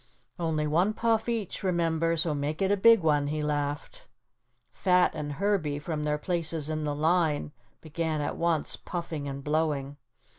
"Only one puff each, remember, so make it a big one," he laughed. Fat and Herbie, from their places in the line, began at once puffing and blowing.